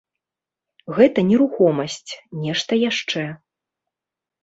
Гэта нерухомасць, нешта яшчэ.